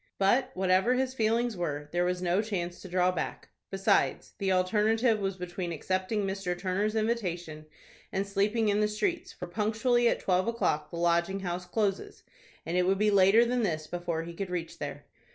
But, whatever his feelings were, there was no chance to draw back. Besides, the alternative was between accepting Mr. Turner's invitation, and sleeping in the streets, for punctually at twelve o'clock the Lodging House closes, and it would be later than this before he could reach there.